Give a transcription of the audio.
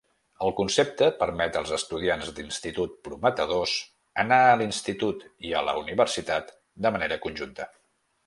El concepte permet als estudiants d'institut prometedors anar a l'institut i a la universitat de manera conjunta.